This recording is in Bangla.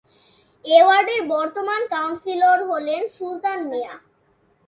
এ ওয়ার্ডের বর্তমান কাউন্সিলর হলেন সুলতান মিয়া।